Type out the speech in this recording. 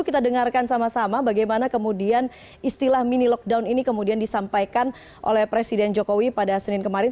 kita dengarkan sama sama bagaimana kemudian istilah mini lockdown ini kemudian disampaikan oleh presiden jokowi pada senin kemarin